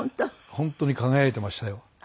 本当に輝いてましたよ。